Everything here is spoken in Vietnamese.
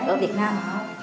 ở việt nam